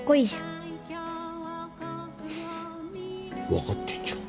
分かってんじゃん。